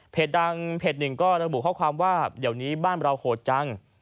ดังเพจหนึ่งก็ระบุข้อความว่าเดี๋ยวนี้บ้านเราโหดจัง